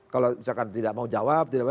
kalau misalkan tidak mau jawab